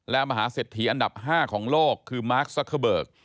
และมหาเศรษฐีอันดับ๕ของโลกคือมาร์คซักเกอร์เบิก